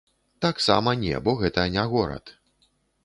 Таксама не, бо гэта не горад.